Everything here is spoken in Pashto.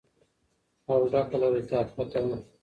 او ډکه له لطافت وه.